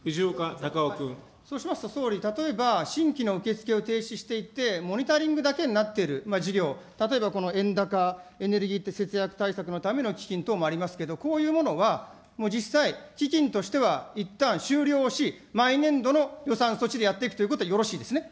そうしますと、総理、例えば、新規の受け付けを停止していって、モニタリングだけになっている、事業、例えばこの円高エネルギー節約対策のための基金等もありますけど、こういうものはもう実際、基金としてはいったん終了し、毎年度の予算措置でやっていくということでよろしいですね。